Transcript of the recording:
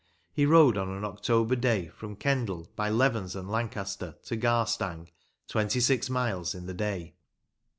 He rode on an October day from Kendal by Levens and Lancaster to Garstang, twenty six miles in the day.